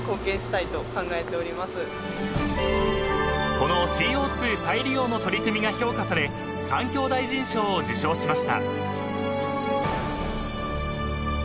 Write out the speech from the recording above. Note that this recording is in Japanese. ［このＣＯ２再利用の取り組みが評価され環境大臣賞を受賞しました］